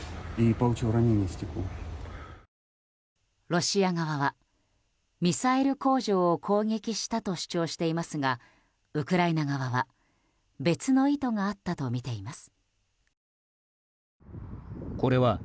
ロシア側はミサイル工場を攻撃したと主張していますがウクライナ側は別の意図があったとみています。